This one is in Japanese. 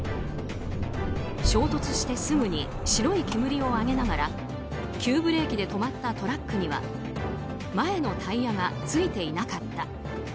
衝突してすぐに白い煙を上げながら急ブレーキで止まったトラックには前のタイヤが付いていなかった。